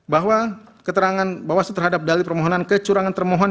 bahwa keterangan bawaslu terhadap dali permohonan kecurangan termohon